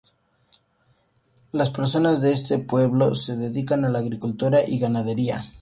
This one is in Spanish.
Las personas de ese pueblo se dedican a la agricultura y ganadería.